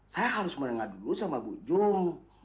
saya harus mendengar dulu sama bu jul